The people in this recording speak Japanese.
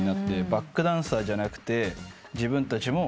バックダンサーじゃなくて自分たちも。